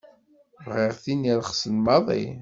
Bɣiɣ tin irexsen maḍi.